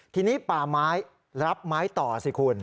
ทีนี้ป่าไม้รับไม้ต่อสิคุณ